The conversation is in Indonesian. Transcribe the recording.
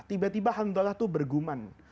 tiba tiba handola itu berguman